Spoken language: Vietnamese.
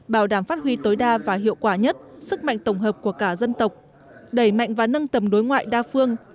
bảo đảm phát huy tối đa và hiệu quả nhất sức mạnh tổng hợp của cả dân tộc đẩy mạnh và nâng tầm đối ngoại đa phương